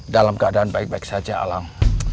dalam keadaan baik baik saja alam